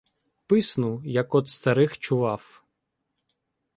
Писну — як од старих чував.